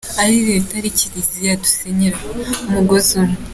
Ari Leta, ari Kiliziya, dusenyera umugozi umwe.